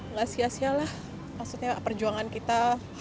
nggak sia sialah maksudnya perjuangan kita